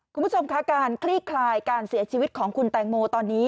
คุณผู้ชมค่ะการคลี่คลายการเสียชีวิตของคุณแตงโมตอนนี้